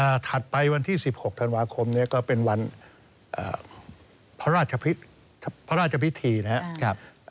อ่าถัดไปวันที่สิบหกธันวาคมเนี่ยก็เป็นวันอ่าพระราชพิพระราชพิธีนะฮะครับ